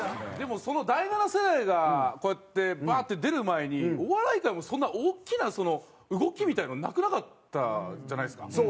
でもその第七世代がこうやってバーって出る前にお笑い界もそんな大きな動きみたいなのなくなかったじゃないですか。